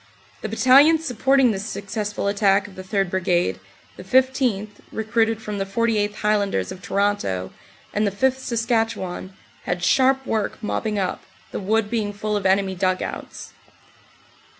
The battalions supporting this successful attack of the 3rd. Brigade, the 15th., recruited from the 48th. High landers of Toronto, and the 5th., Saskatchewan, had sharp work mopping up, the wood being full of enemy dug outs.